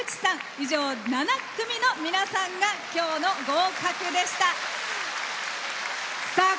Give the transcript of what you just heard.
以上、７組の皆さんが今日の合格でした。